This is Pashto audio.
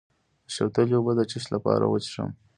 د شوتلې اوبه د څه لپاره وڅښم؟